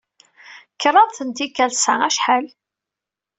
Kraḍt n tikkal sa, acḥal?